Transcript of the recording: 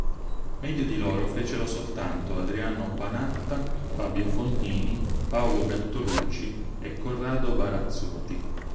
Meglio di loro fecero soltanto Adriano Panatta, Fabio Fognini, Paolo Bertolucci e Corrado Barazzutti.